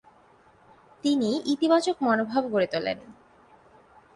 তিনি ইতিবাচক মনোভাব গড়ে তোলেন।